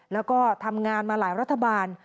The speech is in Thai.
แล้วก็ทำงานมาหลายรัฐบาล